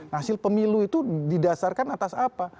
hasil pemilu itu didasarkan atas apa